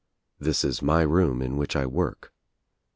This is my room in which I work.